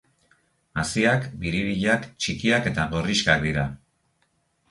Haziak biribilak, txikiak eta gorrixkak dira.